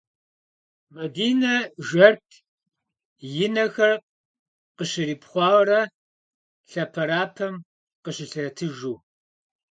Madine jjert yi nexer khışheripxhuare, lheperapem khışılhetıjju.